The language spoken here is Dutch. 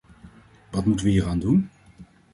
Wat moeten we hieraan doen?